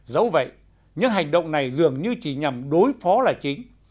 dẫu vậy những hành động này dường như chỉ nhằm đối phó là chính